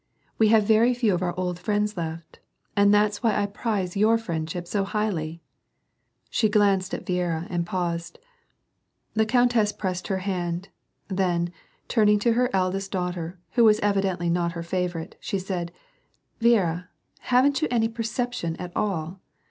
"We have very few of our old friends left. And that's why I prize your friendship so highly !" She glanced at Viera, and paused. The countess pressed her hand ; then, turning to her eldest daughter, who was evidently not her favorite, she said, —" Viera, haven't you any pei'ception at all